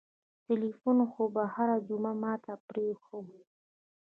ټېلفون خو به يې هره جمعه ما ته پرېښووه.